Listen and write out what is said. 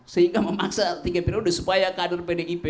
sehingga memaksa tiga periode supaya kader pdip